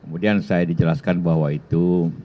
kemudian saya dijelaskan bahwa itu